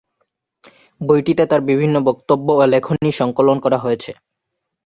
বইটিতে তার বিভিন্ন বক্তব্য ও লেখনী সংকলন করা হয়েছে।